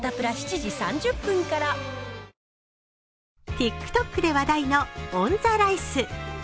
ＴｉｋＴｏｋで話題のオンザライス。